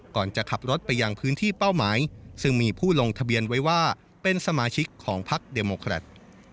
ก่อนจะขับรถไปยังพื้นที่เป้าหมายซึ่งมีผู้ลงทะเบียนไว้ว่าเป็นสมาชิกของพักเดโมแครต